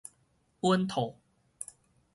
穩妥